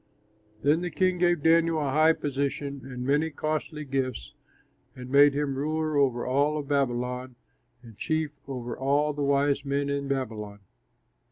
Then the king gave Daniel a high position and many costly gifts, and made him ruler over all of Babylon and chief over all the wise men in Babylon.